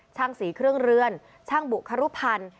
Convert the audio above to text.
ช่างสีเครื่องเรือนช่างบุครุพันธ์